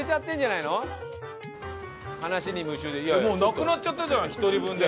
なくなっちゃったじゃん１人分で。